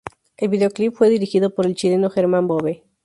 El vídeo clip fue dirigido por el chileno Germán Bobe.